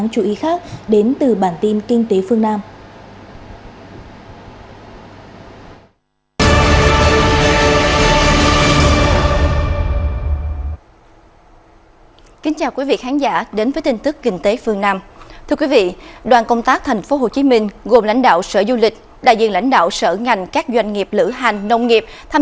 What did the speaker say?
các tin tức kinh tế đáng chú ý khác đến từ bản tin kinh tế phương nam